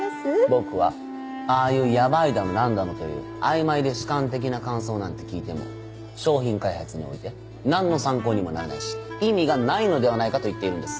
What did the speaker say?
僕はああいうヤバいだの何だのという曖昧で主観的な感想なんて聞いても商品開発において何の参考にもならないし意味がないのではないかと言っているんです。